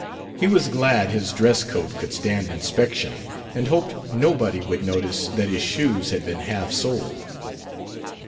He was glad his dress coat could stand inspection, and hoped nobody would notice that his shoes had been half soled....